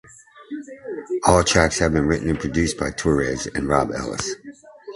All tracks have been written and produced by Torres and Rob Ellis.